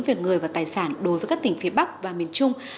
về người và tài sản đối với các tỉnh phía bắc và miền trung